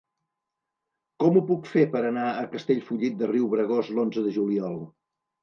Com ho puc fer per anar a Castellfollit de Riubregós l'onze de juliol?